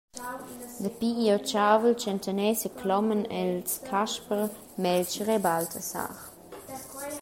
Dapi igl otgavel tschentaner secloman els Casper, Meltger e Baltasar.